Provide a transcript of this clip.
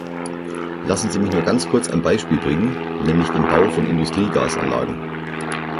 Lassen Sie mich nur ganz kurz ein Beispiel bringen, nämlich den Bau von Industriegasanlagen.